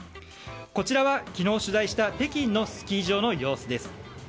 こちらは昨日、取材した北京のスキー場の様子です。